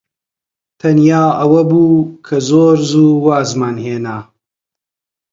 تەنها ئەوە بوو کە زۆر زوو وازمان هێنا.